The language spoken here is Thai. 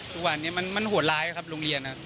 ทุกวันนี้มันหวดร้ายครับลูกเรียน